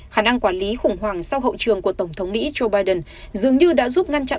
khả năng quản lý khủng hoảng sau hậu trường của tổng thống mỹ joe biden dường như đã giúp ngăn chặn